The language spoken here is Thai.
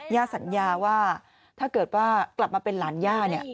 ย่าสัญญาว่าถ้าเกิดว่ากลับมาเป็นหลานย่าเนี่ย